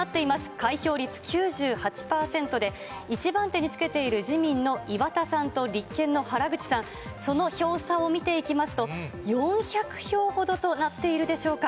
開票率９８％で、１番手につけている自民の岩田さんと立憲の原口さん、その票差を見ていきますと、４００票ほどとなっているでしょうか。